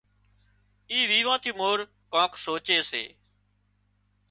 اِي ويوان ٿي مور ڪانڪ سوچي سي